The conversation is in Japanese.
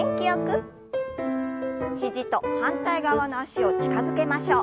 肘と反対側の脚を近づけましょう。